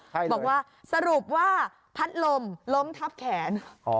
บอกว่าสรุปว่าพัดลมล้มทับแขน